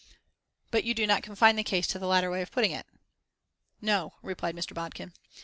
"But you do not confine the case to the latter way of putting it?" "No," replied Mr. Bodkin.